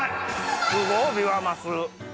すごいビワマス。